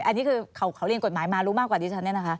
อันนี้คือเขาเรียนกฎหมายมารู้มากกว่าที่ฉัน